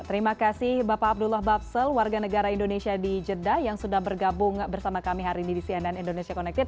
terima kasih bapak abdullah babsel warga negara indonesia di jeddah yang sudah bergabung bersama kami hari ini di cnn indonesia connected